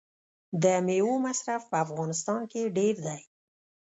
د میوو مصرف په افغانستان کې ډیر دی.